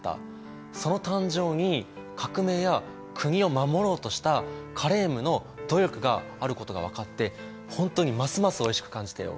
その誕生に革命や国を守ろうとしたカレームの努力があることが分かって本当にますますおいしく感じたよ。